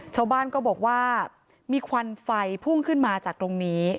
ชาวบ้านก็บอกว่ามีควันไฟพุ่งขึ้นมาจากตรงนี้